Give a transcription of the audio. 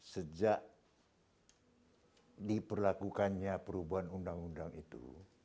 sejak diperlakukannya perubahan undang undang itu